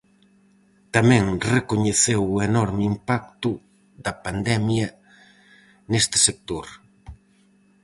Tamén recoñeceu o enorme impacto da pandemia neste sector.